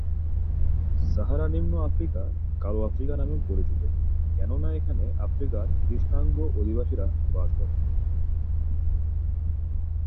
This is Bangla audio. সাহারা-নিম্ন আফ্রিকা "কালো আফ্রিকা" নামেও পরিচিত, কেননা এখানে আফ্রিকার কৃষ্ণাঙ্গ অধিবাসীরা বাস করে।